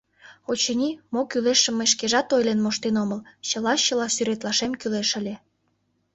— Очыни, мо кӱлешым мый шкежак ойлен моштен омыл, чыла-чыла сӱретлашем кӱлеш ыле.